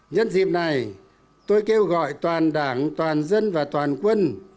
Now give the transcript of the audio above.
nhân dịp này tôi kêu gọi toàn đảng toàn dân